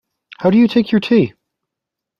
How do you take your tea?